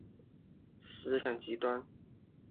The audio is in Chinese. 此科蜊类会将壳内孵化的幼体排至周围水中。